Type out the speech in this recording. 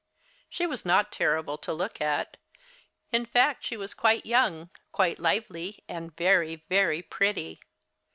She was not terrible to look at. In fact she was quite young, quite lively, and very, very pretty.